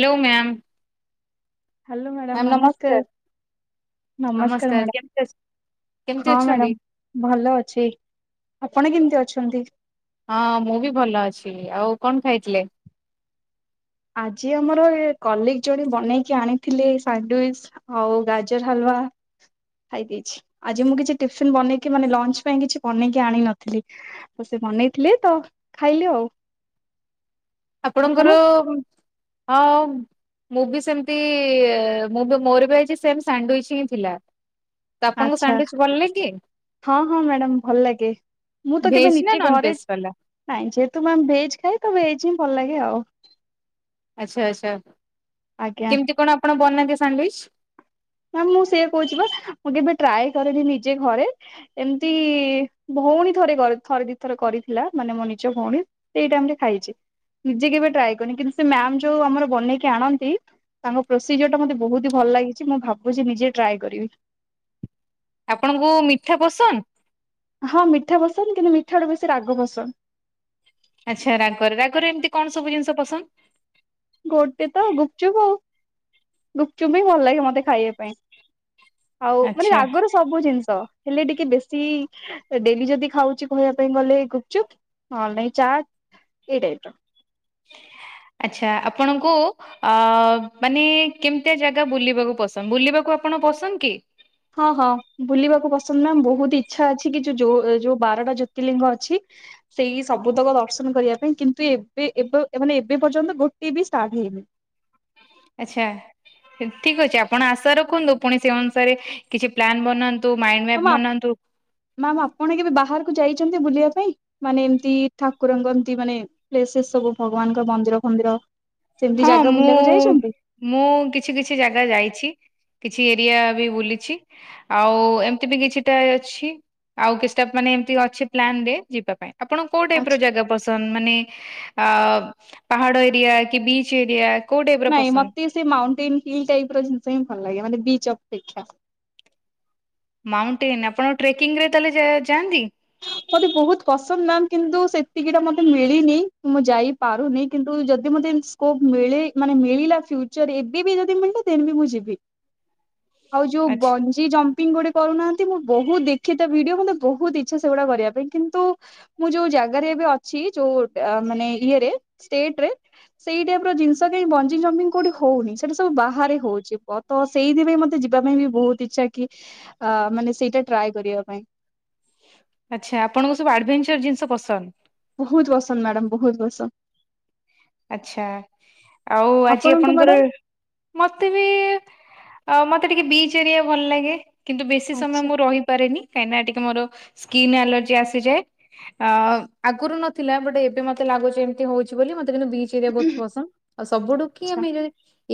Hello ma'am. Hello madam ନମସ୍କାର ନମସ୍କାର madam. କେମିତି ଅଛ କେମିତି ହଁ ଅଛନ୍ତି? ମ୍ୟାଡ଼ାମ ଭଲ ଅଛି ଆପଣ କେମିତି ଅଛନ୍ତି? ହଁ ମୁଁ ବି ଭଲ ଅଛି ଆଉ କଣ ଖାଇଥିଲେ? ଆଜି ଆମର ଏ କଲିକ୍ ଜଣ ବନେଇକି ଆଣିଥିଲେ ସ୍ୟାଣ୍ଡୱିଚ୍ ଆଉ ଗାଜର ହାଲ। ବା। ଖାଇ ଦେଇଛି ଆଜି ମୁଁ କିଛି ଟିଫିନ୍ ବନେଇକି ମାନେ ଲଞ୍ଚ୍ ପାଇଁ କିଛି ବନେଇକି ଆଣି ନଥିଲି। ସେ ବନେଇଥିଲେ ତ ଖାଇଲେ ଆଉ। ଆପଣଙ୍କର ଆପଣ ହଁ ମୁଁ ବି ସେମିତି ମୁଁ ବି ମୋର ବି ଆଜି ସେମ୍ ସ୍ୟାଣ୍ଡୱିଚ୍ ହିଁ ଥିଲା। ତ ଆପଣଙ୍କ ଆଚ୍ଛା ସାଣ୍ଡୱିଚ୍ ଭଲ୍ ଲାଗେ? ହଁ ହଁ ମ୍ୟାଡାମ ଭଲ ଲାଗେ ମୁଁ ତ କେବେ ଭେଜ୍ ନା ନିଜେ ନନ୍ ଘରେ ଭେଜ୍ ବାଲା? ନାଇଁ ଯେହେତୁ ମ୍ୟାମ୍ ଭେଜ ଖାଏ ତ ଭେଜ ହିଁ ଭଲ ଲାଗେ ଆଉ। ଆଚ୍ଛା ଆଚ୍ଛା ଆଜ୍ଞା। କେମିତି କଣ ଆପଣ ବନାନ୍ତି ସାଣ୍ଡୱିଚ୍? ନା ମୁଁ ସେୟା କହୁଛି ବା ମୁଁ କେବେ ଟ୍ରାଏ କରେନି ନିଜେ ଘରେ ଏମତି ଭଉଣୀ ଥରେ କରି ଥରେ ଦିଥରେ କରିଥିଲା ମାନେ ମୋ ନିଜ ଭଉଣୀ ସେଇ ଟାଇମ୍ ରେ ଖାଇଛି। ନିଜେ କେବେ ଟ୍ରାଏ କରିନି କିନ୍ତୁ ସେ ମ୍ୟାାମ୍ ଯୋଉ ଆମର ବନେଇକି ଆଣନ୍ତି। ତାଙ୍କ ପ୍ରୋସିଜର୍ ଟା ମତେ ବହୁତ ହି ଭଲ ଲାଗିଛି ମୁଁ ଭାବୁଛି ନିଜେ ଟ୍ରାଏ କରିବି। ଆପଣଙ୍କୁ ମିଠା ପସନ୍ଦ? ହଁ ମିଠା ପସନ୍ଦ କିନ୍ତୁ ମିଠା ଠୁ ବେଶୀ ରାଗ ପସନ୍ଦ। ଆଚ୍ଛା ରାଗ ରାଗରେ ଏମିତି କଣ ସବୁ ଜିନିଷ ପସନ୍ଦ? ଗୋଟେ ତ ଗୁପଚୁପ ଆଉ ଗୁପଚୁପ ହିଁ ଭଲ ଲାଗେ ମତେ ଖାଇବା ପାଇଁ।। ଆଉ ମାନେ ଆଚ୍ଛା ରାଗର ସବୁ ଜିନିଷ। ହେଲେ ଟିକେ ବେଶୀ ଡେଲି ଯଦି ଖାଉଛି କହିବା ପାଇଁ ଗଲେ ଗୁପଚୁପ୍ ହଁ ନାଇଁ ଚାଟ୍। ଏଇ ଟାଇପ୍ ର। ହ। [inaudible] ଆଛା ଆପଣଙ୍କୁ ଅ ମାନେ କେମିତିଆ ଜାଗା ବୁଲିବାକୁ ପସନ୍ଦ ବୁଲିବାକୁ ଆପଣ ପସନ୍ଦ କି? ହଁ ହଁ ବୁଲିବାକୁ ପସନ୍ଦ ନା ବହୁତ ଇଚ୍ଛା ଅଛି କି ଯୋଉ ଯୋଉ ବାରଟା ଜ୍ୟୋତିଲିଙ୍ଗ ଅଛି। ସେଇ ସବୁତକ ଦର୍ଶନ କରିବା ପାଇଁ କିନ୍ତୁ ଏବେ ଏବେ ମାନେ ଏବେ ପର୍ଯ୍ୟନ୍ତ ଗୋଟେ ବି ଷ୍ଟାର୍ଟ ହେଇନି। ହଁ। ଆଚ୍ଛା ଠିକ ଅଛି ଆପଣ ଆଶା ରଖନ୍ତୁ ପୁଣି ସେ ଅନୁସାରେ କିଛି ପ୍ଲାନ ବନାନ୍ତୁ। ମାଇଣ୍ଡ ମ୍ୟାପ୍ ମା ବନାନ୍ତୁ ଆ ମାମ ଆପଣ କେବେ ବାହାରକୁ ଯାଇ ବୁଲିବା ପାଇଁ ମାନେ ଏମତି ଠାକୁରଙ୍କ ଏତି ମାନେ ପ୍ଲେସସ୍ ସବୁ ଭଗବାନଙ୍କ ମନ୍ଦିର ଫନ୍ଦିର? ସେମିତି ହଁ ଜାଗା ମୁଁ ବୁଲିବାକୁ ଯାଇଛନ୍ତି? ମୁଁ କିଛି କିଛି ଜାଗା ଯାଇଛି। କିଛି ଏରିଆ ବି ବୁଲିଛି ଆଉ ଏମିତି ବି କିଛିଟା ଅଛି। ଆଉ କିଛିଟା ମାନେ ଏମିତି ଅଛି ପ୍ଲାନରେ ଯିବା ପାଇଁ। ଆପଣ କୋଉ ଟାଇପ୍ ର ଆଚ୍ଛା ଜାଗା ପସନ୍ଦ ମାନେ ଅ ପାହାଡ ଏରିଆ କି ବିଚ୍। Beach area. କୋଉ ଟାଇପ ର ନାଇଁ ପସନ୍ଦ ମତେ ସେ ମାଉଣ୍ଟେନ ହିଲ୍ ଟାଇପ୍ ର ଜିନିଷ ହିଁ ଭଲ ଲାଗେ ମାନେ। ବିଚ୍ ଅପେକ୍ଷା। ମାଉଣ୍ଟେନ ଆପଣ ଟ୍ରେକିଂରେ ତାହଲେ ଯା-ଯାଆନ୍ତି? ମତେ ବହୁତ ପସନ୍ଦ ମାମ୍ କିନ୍ତୁ ସେତିକି ଟା ମତେ ମିଳିନି ମୁଁ ଯାଇପାରୁନି କିନ୍ତୁ ଯଦି ମତେ କ୍ସୋପ ମିଳେ ମାନେ ମିଳିଲା ଫ୍ୟୁଚର ଏବେ ବି ଯଦି ମିଳିଲା ଦେନ୍ ବି ମୁଁ ଯିବି। [inaudible] ଆଉ ଯୋଉ ଆଚ୍ଛା ବଞ୍ଜି ଜମ୍ପିଂ ଗୋଟେ କରୁନାହାନ୍ତି ମୁଁ ବହୁତ ଦେଖେ ତା ଭିଡିଓ ମତେ ବହୁତ ଇ ଇଛା ସେଗୁଡା କରିବା ପାଇଁ କିନ୍ତୁ ମୁଁ ଯୋଉ ଜାଗରେ ଏବେ ଅଛି ଯୋଉ ମାନେ ଇଏରେ ସେ ଷ୍ଟେଟରେ ସେଇ ଟାଇପ୍ ର ଜିନିଷ କାଇଁ ବଞ୍ଜିଂ ଜମ୍ପିଂ କୋଉଠି ହଉନି ସେଟା ସବୁ ବାହାରେ ହଉଛି ବ ତ ସେଇଥିପାଇଁ ମତେ ଯିବା ପାଇଁ ବି ବହୁତ ଇଚ୍ଛା କି ଆ ମାନେ ସେଇଟା ଟ୍ରାଏ କରିବା ପାଇଁ। ଆଚ୍ଛା ଆପଣଙ୍କୁ ସବୁ ଆଡ଼ଭେଞ୍ଚର ଜିନିଷ ପସନ୍ଦ। ବହୁତ ପସନ୍ଦ ମ୍ୟାଡ଼ାମ ବହୁତ ପସନ୍ଦ। ଆଛା ଆଉ ଆଜି ଆପଣଙ୍କୁ ଆପଣଙ୍କର, ମ୍ୟାଡାମ? ମତେ ବି ଆ ମତେ ଟିକେ ବିଚ୍ ଏରିଆ ଭଲ ଲାଗେ କିନ୍ତୁ ବେଶୀ ସମୟ ଆଚ୍ଛା ମୁଁ ରହିପାରେନି କାହିଁକିନା ଟିକେ ମୋର ସ୍କିନ୍ ଆଲର୍ଜି ଆସିଯାଏ। ଅ ଆଗରୁ ନଥିଲା ବଟ୍ ଏବେ ମତେ ଲାଗୁଛି ଏମିତି ହଉଛି ବୋଲି ମ ମତେ କିନ୍ତୁ ବିଚ୍ ଏରିଆ ବହୁତ ପସନ୍ଦ ଆଉ ସବୁଠୁ କି ଆଚ୍ଛା ଆମେ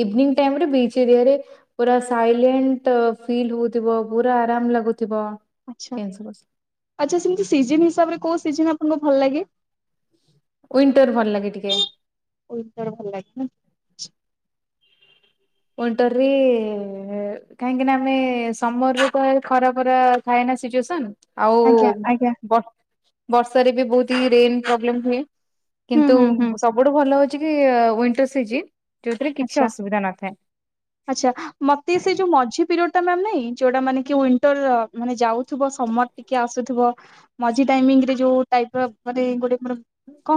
ଇଭନିଙ୍ଗ ଟାଇମ୍ ରେ ବିଚ୍ ଏରିଆରେ ପୁରା ସାଇଲେଣ୍ଟ ଫିଲ୍ ହଉଥିବ ପୁରା ଆରାମ ଲାଗୁଥିବ। ଆଚ୍ଛା ଏମିତି ସବୁ। ଆଚ୍ଛା ସେମିତି ସିଜନ ହିସାବରେ କୋଉ ସିଜନ ଆପଣଙ୍କୁ ଭଲ ଲାଗେ। ୱିଣ୍ଟର ଭଲ ଲାଗେ ଟିକେ। ୱିଣ୍ଟର ଭଲ ଲାଗେ ନା। ୱିଣ୍ଟରରେ ଏ କାହିଁକି ନା ଆମେ ସମର୍ ରୁ କହିବା ଖରା ଖରା ଖାଏ ସିଚୁଏସନ୍ ଆଉ ଆଜ୍ଞା ଆଜ୍ଞା ବ ବର୍ଷାରେ ବି ବହୁତ ରେନ୍ ପ୍ରୋବଲେମ ହୁଏ। ହୁଁ କିନ୍ତୁ ହୁଁ ହୁଁ ସବୁଠୁ ଭଲ ହଉଛି କି ୱିଣ୍ଟର ସିଜିନ। ଯୋଉଥିରେ କିଛି ଅସୁବିଧା ନଥାଏ। ଆଛା ମତେ ସେ ଯୋଉ ମଝି ପିରିୟଡ଼ ଟା ମ୍ୟାମ ନାହିଁ ଯୋଉଟା ମାନେ କି ୱିଣ୍ଟର ଅ ମାନେ ଯାଉଥିବ। ସମର ଟିକେ ଆସୁଥିବ ମଝି ଟାଇମିଙ୍ଗ ରେ ଯୋଉ ଟାଇପ ମାନେ ଗୋଟେ କଣ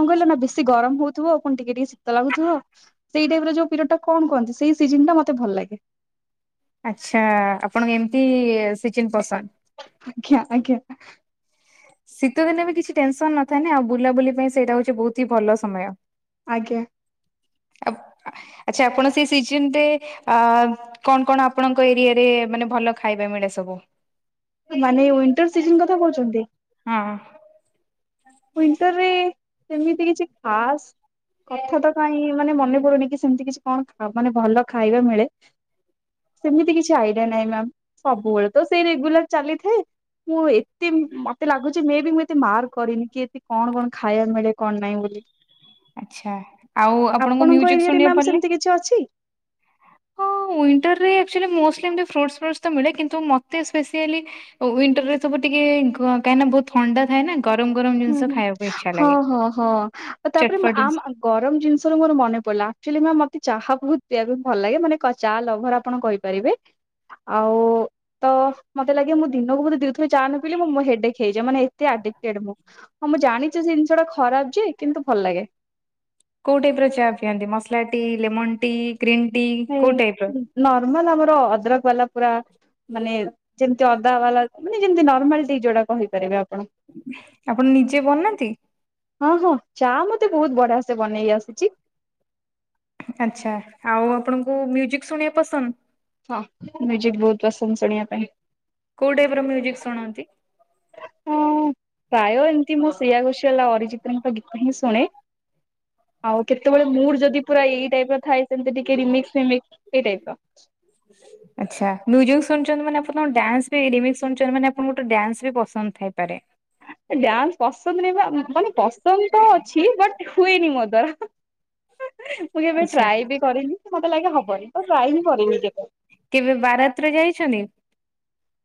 କହିଲନା ବେଶୀ ଗରମ ହଉଥିବ ଆଉ ପୁଣି ଟିକେ ଟିକେ ଶୀତ ଲାଗୁଥିବ ସେଇ ଟାଇପ ର ଯୋଉ ପିରିୟଡ଼ ଟା କଣ କହନ୍ତି ସେଇ ସିଜନ ଟା ମତେ ତେ ଭଲ ଲାଗେ। ଆଛା ଆପଣଙ୍କ ଏମତି ସିଜିନ ପସନ୍ଦ। ଆଜ୍ଞା ଆଜ୍ଞା। ଶୀତ ଦିନେ ବି କିଛି ଟେନସନ ନଥାଏ ନା ଆଉ ବୁଲାବୁଲି ପାଇଁ ସେଇଟା ହଉଛି ବହୁତ ହି ଭଲ ସମୟ। ଆଜ୍ଞା। ଆଉ ଆ ଆଛା ଆପଣ ସେ ସିଜନରେ ଆ କଣ କଣ ଆପଣଙ୍କ ଏରିଆରେ ମାନେ ଭଲ ଖାଇବା ମି ମିଳେ ସବୁ ମାନେ ୱିଣ୍ଟର ସିଜନ କଥା କହୁଛନ୍ତି? ହଁ। ୱିଣ୍ଟରରେ ସେମିତି କିଛି ଖାସ୍ କଥା ତ କାଇଁ ମାନେ ମନେ ପଡୁନି କି ସେମତି କିଛି କଣ ମାନେ ଭଲ ଖାଇବା ମିଳେ। ସେମିତି କିଛି ଆଇଡିଆ ନାହିଁ ମ୍ୟାମ୍, ସବୁବେଳେ ତ ସେଇ ରେଗୁଲାର ଚାଲିଥାଏ ମୁଁ ଏ ମତି ମତେ ଲାଗୁଛି ମେ ବି ମୁଁ ଏତେ ମାର୍କ କରିନି କି ଏଠି କଣ କଣ ଖାଇବା ମିଳେ କଣ ନାହିଁ ବୋଲି। ଆଚ୍ଛା ଆଉ ଆପଣଙ୍କୁ ଆପଣଙ୍କ ମ୍ୟୁଜିକ ଏରିଆରେ ଶୁଣିବାକୁ ମ୍ୟାମ୍ ଭଲ ଲାଗେ? ସେମତି କିଛି ଅଛି? [unintelligible] ୱିଣ୍ଟରରେ ଆକଚୁଆଲି ମୋଷ୍ଟଲି ଏମତି ଫ୍ରୁଟ୍ସ ଫ୍ରୁଟ୍ସ ତ ମିଳେ କିନ୍ତୁ ମତେ ସ୍ପେସିଆଲି ୱିଣ୍ଟରରେ ସବୁ ଟି ଟିକେ ଗ କାଇଁ ନା ବହୁତ ଥଣ୍ଡା ଥାଏ ନା। ଗରମ ଗରମ ଜିନଷ ଖାଇବା ପାଇଁ। ହଁ-ହଁ-ହଁ ତାପରେ ଆମ ଜିନିଷ ଗରମ ଜିନିଷର ମୋର ମନେ ପଡିଲା ଆକଚୁଆଲି ମ୍ୟାମ୍ ମ ମତେ ଚାହା ବହୁତ ପିଆ [unintelligible] ଭଲ ଲାଗେ, ମାନେ କ ଚା ଲଭର ଆପଣ କହିପାରିବେ। ଆଉ ତ ମତେ ଲାଗେ ମୁଁ ଦିନକୁ ବୋଧେ ଦିଥର ଚା ନ ପିଇଲେ ମୁଁ ମୋ ହେଡେକ ହେଇଯାଏ ମାନେ ଏତେ ଆ ଆଡିକେଡ ମୁଁ। ହଁ ମୁଁ ଜାଣିଛି ସେ ଜିନଷଟା ଖରାପ ଯେ, କିନ୍ତୁ ଭଲ ଲାଗେ। କୋଉ ଟାଇପର ଚା ପିଅନ୍ତି ମସଲା ଟି, ଲେମନ ଟି? ଗ୍ରୀନ୍ ଟି କୋଉ ଟାଇପ ର? ହୁଁ ନର୍ମାଲ ଆମର ଅଦ୍ରକ ବାଲା ପୁରା ମାନେ ଯେମତି ଅଦା ୱାଲା ମାନେ ଯେମତି ନର୍ମାଲ ଟି ଯୋଉଟା କହିପାରିବେ। ଆପଣ। ଆପଣ ନିଜେ ବନାନ୍ତି? ହଁ ହଁ ଚା ମତେ ବହୁତ ବଢିଆ ସେ ବନେଇ ଆସୁଚି। ଆଚ୍ଛା ଆଉ ଆପଣଙ୍କୁ ମ୍ୟୁଜିକ ଶୁଣିବା ପସନ୍ଦ। ହଁ ମ୍ୟୁଜିକ ବହୁତ ପସନ୍ଦ ଶୁଣିଆ ପାଇଁ। କୋଉ ଟାଇପର ମ୍ୟୁଜିକ ଶୁଣନ୍ତି? ହଁ ପ୍ରାୟ ଏମତି ମୁଁ ଶ୍ରେୟା ଘୋସେଲ ଆଉ ଅରିଜିତଙ୍କ ଗୀତ ହିଁ ଶୁ ଶୁଣେ ଆଉ କେତେବେଳେ ମୁଡ୍ ଯଦି ପୁରା ଏଇ ଟାଇପର ଥାଏ। ସେମିତି ଟିକେ ରିମିକ୍ସ ଫିମିକ୍ସ ସେଇ ଟାଇପର। ହ ଆଚ୍ଛା ମ୍ୟୁଜିକ ଶୁଣଛନ୍ତି ମାନେ ଆପଣଙ୍କୁ ଡ୍ୟାନ୍ସ ବି ରିମିକ୍ସ ଶୁଣଛନ୍ତି ମାନେ ଆପଣଙ୍କୁ ତ ଡ୍ୟାନ୍ସ ବି ପସନ୍ଦ ଥାଏ। ଡ୍ୟାନ୍ସ ପସନ୍ଦ ନାହିଁ ବା ମାନେ ପସନ୍ଦ ତ ଅଛି ବଟ ହୁଏନି ମୋ ଦ୍ଵାରା। ମୁଁ କେବେ ଆଚ୍ଛା ଟ୍ରାଏ ବି କରିନି ମତେ ଲାଗେ ହବନି ତ ଟ୍ରାଏ ବି କରିନି କେବେ। ବାରାତ୍ର ଯାଇଛନ୍ତି।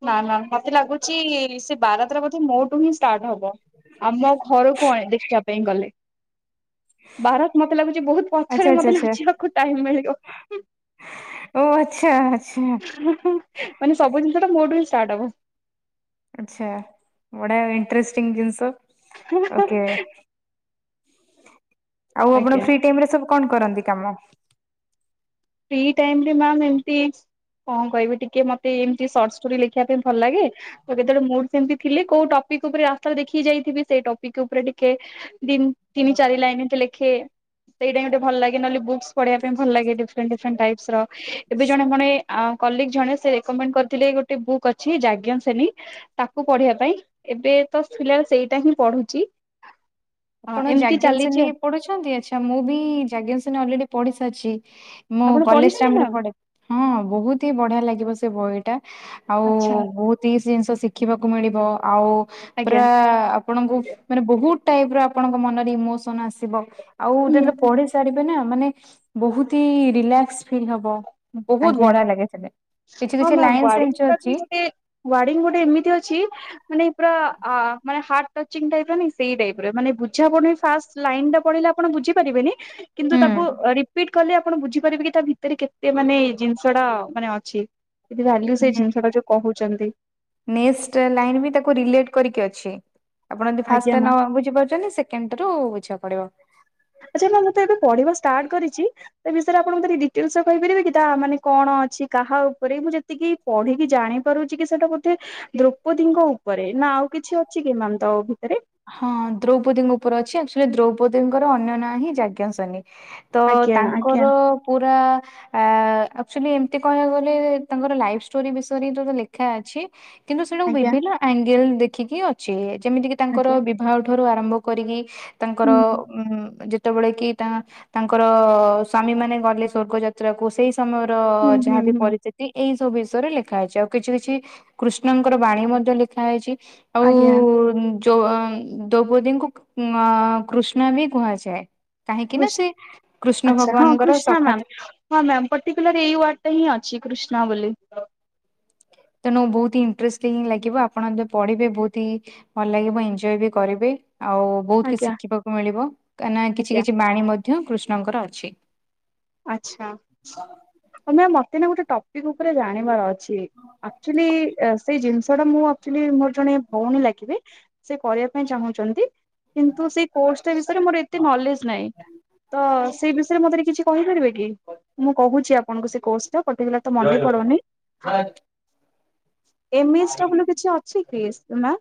ନା ନା ମତେ ଲାଗୁଚି ସେ ବାରାତ୍ର ବୋଧେ ମୋଠୁ ହିଁ ଷ୍ଟାର୍ଟ ହବ। ଆମ ଘରକୁ ଆଣେ ଦେଖିବା ପାଇଁ ଗଲେ। ବାରାତ ମତେ ଲାଗୁଚି ବହୁତ ଆଚ୍ଛା ପଛରେ ଆଚ୍ଛା ମତେ ଆଚ୍ଛା ନଚିବାକୁ ଟାଇମ ମିଳିବ। ଓ ଆଚ୍ଛା ଆଚ୍ଛା। ମାନେ ସବୁ ଜିନିଷଟା ମୋଠୁ ହିଁ ଷ୍ଟାର୍ଟ ହବ। ଆଚ୍ଛା ବଢିଆ ଇଣ୍ଟ୍ରେଷ୍ଟିଙ୍ଗ ଜିନଷ। ଓକେ ଆଉ ଆପଣ ଆଜ୍ଞା। ଫି ଟାଇମରେ ସବୁ କଣ କରନ୍ତି କାମ? ଫ୍ରି ଟାଇମରେ ମ୍ୟାମ୍ ଏମତି। କଣ କହିବି ଟିକେ ମତେ ଏମତି ସର୍ଟ ଷ୍ଟୋରି ଲେଖିବା ପାଇଁ ଭଲ ଲାଗେ। ତ କେତେବେଳେ ମୁଡ୍ ସେମତି ଥିଲେ କୋଉ ଟ ପିକ ଉପରେ ରାସ୍ତାରେ ଦେଖିକି ଯାଇଥିବି ସେଇ ଟପିକ୍ ଉପରେ ଟିକେ ଦି, ତିନି, ଚାରି ଲାଇନ ଏମତି ଲେଖେ। ସେଇଟା ହିଁ ଗୋଟେ ଭଲ ଲାଗ ନହେଲେ ବୁକ୍ସ ପଢିବା ପାଇଁ ଭଲ ଲାଗ [unintelligible] ଡିଫରେଣ୍ଟ ଡିଫରେଣ୍ଟ ଟାଇପ୍ସର, ଏବେ ଜଣେ କଣ ଏ କଲିକ ଜଣେ ସେ ରେକମେଣ୍ଡ କରଥିଲେ ଗୋଟେ ବୁକ୍ ଅଛି ଯା ଜ୍ଞସେନୀ ତାକୁ ପଢିବା ପାଇଁ ଏବେ ତ ଥିଲା ସେଇଟା ହିଁ ପଢୁଚି। [inaudible] ଆପଣ ଯାଜ୍ଞସେନୀ ପଢୁଛନ୍ତି, ଆଚ୍ଛା ମୁଁ ବି ଯାଜ୍ଞସେନୀ ଅଲରେଡି ପଢି ସାରଚି। ମୁଁ ଆପଣ କଲେଜ ପଢିଛନ୍ତି ଟାଇମରେ ମ୍ୟାମ୍ ପଢେ, ହଁ ବହୁତ ହି ବଢିଆ ଲାଗିବ ସେ ବହିଟା। ଆଉ ଆଚ୍ଛା ବହୁତି ଜିନଷ ଶିଖିବାକୁ ମିଳିବ, ଆଉ ଆଜ୍ଞା ପୁରା ଆପଣଙ୍କୁ ମାନେ ବହୁତ ଟାଇପର ଆପଣଙ୍କ ମନରେ ଇମୋସନ ଆସିବ। ଆଉ ହୁଁ ଯେତେବେଳେ ପଢି ସାରିବେ ନା ମାନେ ବହୁତ ଆଜ୍ଞା। ବଢିଆ ଲାଗେ ସେଠି। ହଁ ମୱଡିଙ୍ଗା ଗୋଟେ ଡିଙ୍ଗ ଗୋଟେ ଏମିତି ଅଛି ମାନେ ପୁରା ମାନେ ହାର୍ଚିପ ସେଇ ଟାଇପ ମାନେ ବୁଝା ପଡୁନି ପଢିଲା ଆପଣ ବୁଝିପାରିବେନି ଆପଣ କିନ୍ତୁ ହୁଁ ତାକୁ ରିପିଟକଲେ ବୁଝି ପାରିବେ କି ତା ଭିତରେ ମାନେ ଜିନିଷଟା ମାନେ ଅଛି ଯଦି ଭାଲ୍ୟୁ ସେ ଜିନିଷ ଟା ଯୋଉ କହୁଛନ୍ତି। ନେଷ୍ଟ ଲାଇନ ବି ତାକୁ ରିଲେଟ କରିକି ଅଛି। ଆପଣ ଯଦି ଫାଷ୍ଟ ଆଜ୍ଞା ଟ ନ ମ୍ୟାମ୍ ବୁଝିପାରୁଛନ୍ତି ସେକେଣ୍ଡରୁ ବୁଝିବାକୁ ପଡିବ। ଆଚ୍ଛା ନା ମୁଁ ତ ଏବେ ପଢିବା ଷ୍ଟାର୍ଟ କରିଚି। ସେ ବିଷୟରେ ଆପଣଙ୍କୁ ଡିଟେଲସ କହିପାରିବେ କି ତା ମାନେ କଣ ଅଛି କାହା ଉପରେ ମୁଁ ଯେତିକି ପଢିକି ଜାଣି ପାରୁଛି କି ସେଟା ବୋଧେ ଦ୍ରୌପଦୀଙ୍କ ଉପରେ ନା ଆଉ କିଛି ଅଛି କି ଏମାନଙ୍କ ଭିତରେ? ହଁ ଦ୍ରୌପଦୀଙ୍କ ଉପରେ ଅଛି ଆକ୍ଚୁଲି ଦ୍ରୌପଦୀଙ୍କର ଅନ୍ୟ ନାଁ ହିଁ ଯଜ୍ଞସେନୀ। ତ ଆଜ୍ଞା ତାଙ୍କର ଆଜ୍ଞା ପୁରା ଆକ୍ଚଲି ଏମତି କହିବାକୁ ଗଲେ ତାଙ୍କର ଲାଇଫ ଷ୍ଟୋରି ବିଷୟରେ ଏଠି ଗୋଟେ ଲେଖା ଅଛି। କିନ୍ତୁ ସେଟାକୁ ଆଜ୍ଞା ବିଭିନ୍ନ ଆଙ୍ଗେଲ ଦେଖିକି ଅଛି ଯେମିତି କିି ତାଙ୍କର ଆଜ୍ଞା ବିବାହ ଠାରୁ ଆରମ୍ଭ କରିକି ତାଙ୍କର ହୁଁ ହୁଁ ଯେତେ ଯେତେବେଳେ କି ତା ତାଙ୍କର ସ୍ଵାମୀ ମାନେ ଗଲେ ସ୍ୱର୍ଗ ଯାତ୍ରାକୁ ସେଇ ସମୟର ହୁଁ ହୁଁ ଯାହାବି ହୁଁ ପରିସ୍ଥିତି ଏଇ ସବୁ ବିଷୟରେ ଲେଖା ହେଇଛି ଆଉ କିଛି କିଛି କୃଷ୍ଣଙ୍କର ବାଣୀ ମଧ୍ୟ ଲେଖା ହେଇଛି। ଆଜ୍ଞା। ଦୌପଦୀଙ୍କୁ ଅ କୃଷ୍ଣା ବି କୁହାଯାଏ। କାହିଁକି ନା କୃଷ୍ ସେ କୃଷ୍ଣ ଆଚ୍ଛା ହଁ ଭଗବାନଙ୍କର କୃଷ୍ଣା ସଖା ଥି ମ୍ୟାମ୍ ହଁ ମ୍ୟାମ୍ ପଟିକୁଲାର୍ ଏଇ ୱ। ଡ଼ ଟା ହଁ କୃଷ୍ଣା ନା ବୋଲି। [inaudible] ତେଣୁ ବହୁତ ହିଁ ଇଟ୍ରେଷ୍ଟିଙ୍ଗି ଲାଗିବ ଆପଣ ପଢିବେ ବହୁତ ହି ଭଲ ଲାଗିବ ଏନଯଏ ବି କରିବେ। ଆଉ ବହୁତ କିଛି ଆଜ୍ଞା ଶିଖିବାକୁ ମିଳିବ କାହିଁ ନା କିଛି ଆଜ୍ଞା କିଛି ବାଣୀ ମଧ୍ୟ କୃଷ୍ଣଙ୍କର ଅଛି। ଆଚ୍ଛା ତମେ ମତେ ନା ଗୋଟେ ଟପିକି ଉପରେ ଜାଣିବାର ଅଛି। ଚି ଆକ୍ଚୋଲି ସେଇ ଜିନିଷ ମାଡା଼ମ୍ ମୁଁ ଆକ୍ଚୋଲି ମୋର ଜଣେ ଭଉଣୀ ଲାଗିବେ ସେ କରିବା ପାଇଁ ଚାହୁଁଚନ୍ତି। କିନ୍ତୁ ସେଇ କୋର୍ସଟା ବିଷୟରେ ମୋର ଏତେ ନଲେଜ୍ ନାଇଁ ତ ସେଇ ବିଷୟରେ ମୋତେ ଟିକେ କିଛି କହିପାରିବେ କି ମୁଁ କହୁଛି ଆପଣଙ୍କୁ ସେ କୋ ପଟିକୁଲାର୍ ତ ମନେ ପଡ଼ୁନି ଏମିତି ସବୁ ଅଛି। ଇଏସ୍ ନାଁ?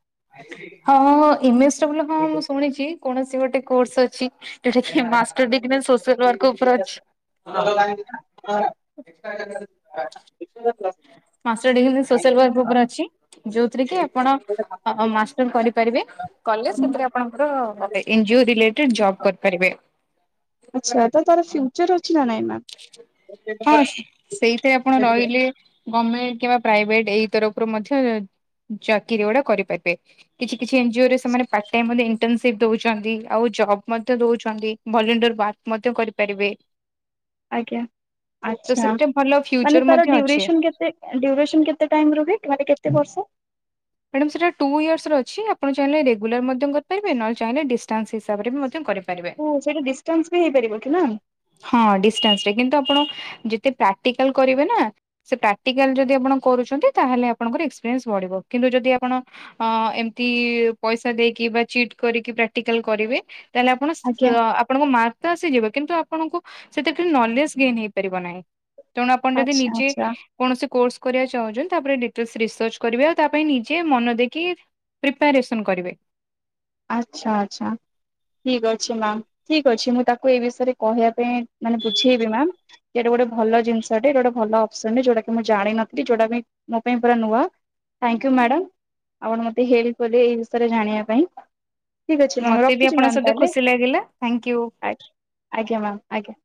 ହଁ ହଁ ଇମେଜ୍ ଡ଼ବୁଲ କଣ ମୁଁ ଶୁଣିଛି କୌଣସି ଗୋଟେ କୋର୍ସ ଅଛି? Directly master degree social ୱ। କ୍ ଉପରେ ଅଛି। ମାଷ୍ଟର ଡିଗ୍ରୀ ସୋସିଆଲ ୱ। କ୍ର ଉପରେ ଅଛି। ଯୋଉଥିରେ କି ଆପଣ ମାଷ୍ଟର କରିପାରିବେ କଲେ ସେଥିରେ ଆପଣଙ୍କର ଏନଯିଓ ରିଲେଟେଡେ଼ ଯବ୍ କରିପାରିବେ। ଆଚ୍ଛା ତ ତାର ଫ୍ୟୁଚର ଅଛି। ନା ନାଇଁ ମ୍ୟାମ୍? ହଁ ସେଇଥି ପାଇଁ ଆପଣ ରହିଲେ। ଗମେଣ୍ଟ କିମ୍ବା ପ୍ରାଇଭେଟ୍ ଏଇ ତରଫରୁ ମଧ୍ୟ ଚାକିରି ଗୁଡ଼ା କରିପାରିବେ କିଛି କିଛି ଏନଯିଓ ସେମାନେ part time internship ଦଉଛନ୍ତି। ଆଉ ଯବ୍ ମଧ୍ୟ ଦଉଛନ୍ତି ଭଲିଣ୍ଟର ବାକ୍ ମୋତେ କରିପାରିବେ। ଆଜ୍ଞା ତ ଆଚ୍ଛା। ସେଥିରେ ଭଲ ମାନେ ଫ୍ୟୁଚର ତାର ମଧ୍ୟ ଅଛି। ଡ଼ିୟୁରେସନ କେତେ ଡିୟୁରେସନ କେତେ ଟାଇମ୍ ରୁହେ ମାନେ କେତେ ବର୍ଷ? ମ୍ୟାଡ଼ାମ ସେଇଟା ଟୁ ଇୟର୍ସ ର ଅଛି ଆପଣ ଚାହିଁଲେ ରେଗୁଲାର ମଧ୍ୟ କରିପାରିବେ ନହଲେ ଚାହିଁଲେ ଡିଷ୍ଟାନ୍ସ ହିସାବରେ ବି ମଧ୍ୟ କରି ପାରିବେ। ଓ ସେଇଟା ଡିଷ୍ଟାନ୍ସ ବି ହେଇପାରିବ କି ମ୍ୟାମ୍? ହଁ ଡ଼ିସିଷ୍ଟାଣ୍ଟ ରେ କିନ୍ତୁ ଆପଣ ଯେତେ ଯେତେ ପ୍ରାକ୍ଟିକାଲ କରିବେ ନା ସେ ପ୍ରାକ୍ଟିକାଲ ଯଦି ଆପଣ କରୁଛନ୍ତି ତାହେଲେ ଆପଣଙ୍କର ଏକ୍ସପିରିଏନ୍ସ ବଢ଼ିବ। କିନ୍ତୁ ଯଦି ଆପଣ ଏମିତି ପଇସା ଦେଇକି ବା ଚିଟ୍ କରିକି ପ୍ରାକ୍ଟିକାଲ କରିବେ ତାହେଲେ ଆପଣ ଆଜ୍ଞା ଆପଣଙ୍କ ମା ତ ଆସିଯିବେ, କିନ୍ତୁ ଆପଣଙ୍କୁ ସେଥିରେ ଟିକେ ନଲେଜ୍ ଗେନ୍ ହେଇପାରିବ ନାହିଁ। ତେଣୁ ଆପଣ ଯଦି ଆଚ୍ଛା ନିଜେ ଆଚ୍ଛା କୌଣସି କୋର୍ସ କରିବାକୁ ଚାହୁଁଛନ୍ତି, ତାପରେ ଡିଟେଲସ ରିସର୍ଚ କରିବେ ତା ପାଇଁ ନିଜେ ମନ ଦେଇକି ପ୍ରିପାରେସନ୍ କରିବେ। ଆଚ୍ଛା ଆଚ୍ଛା। ଠିକ୍ ଅଛି ମ୍ୟାମ। ଠିକ୍ ଅଛି, ମୁଁ ତାକୁ ଏଇ ବିଷୟରେ କହିବା ପାଇଁ ମାନେ ବୁଝେଇବି ମ୍ୟାମ୍। ଇଆଡ଼େ ଗୋଟେ ଭଲ ଜିନିଷଟେ, ଏଇଟା ଗୋଟେ ଭଲ ଅପସନ୍ ଟେ, ଯୋଉଟାକି ମୁଁ ଜାଣିନଥିଲି, ଯୋଉଟା ବି ମୋ ପାଇଁ ପୁରା ନୂଆ। Thank you madam. ଆପଣ ମତେ ହେଲ୍ପ କଲେ ଏଇ ବିଷୟରେ ଜାଣିବା ପାଇଁ। ଠିକ ଅଛି ମ୍ୟାମ। ମତେ ବି ରଖୁଛି ଆପଣଙ୍କ ମ୍ୟାମ ସହିତ ତାହେଲେ, ଖୁସି ଲାଗିଲା ଥ୍ୟାଙ୍କ ୟୁ। ଆଜ୍ଞା। ଆଜ୍ଞା ମ୍ୟାମ୍ ଆଜ୍ଞା।